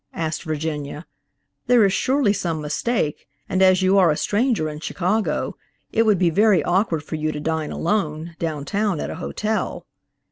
asked Virginia. "There is surely some mistake, and as you are a stranger in Chicago it would be very awkward for you to dine alone, down town, at a hotel."